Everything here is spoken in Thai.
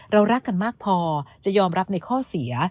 รักกันมากพอจะยอมรับในข้อเสีย